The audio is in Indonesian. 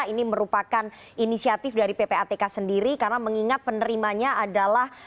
ini merupakan inisiatif dari ppatk sendiri karena mengingat penerimanya adalah